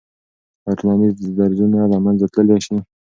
آیا ټولنیز درزونه له منځه تللی سي؟